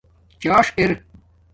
څݳݽ ار